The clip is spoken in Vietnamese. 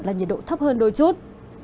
là nhiệt độ thấp hơn đôi chút